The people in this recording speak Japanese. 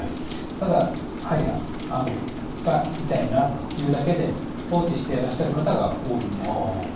ただ歯やあごが痛いなというだけで放置していらっしゃる方が多いんです。